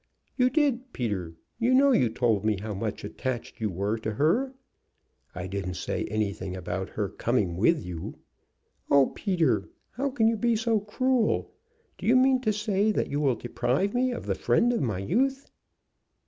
"You did, Peter. You know you told me how much attached you were to her." "I didn't say anything about her coming with you." "Oh, Peter, how can you be so cruel? Do you mean to say that you will deprive me of the friend of my youth?"